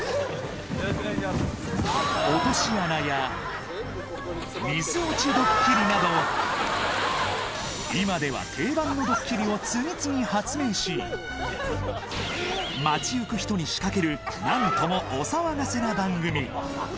落とし穴や、水落ちどっきりなど、今では定番のどっきりを次々発明し、街ゆく人に仕掛けるなんともお騒がせな番組。